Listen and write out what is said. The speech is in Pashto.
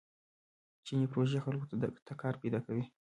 چیني پروژې خلکو ته کار پیدا کوي.